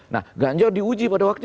nah kanjar diuji pada waktu itu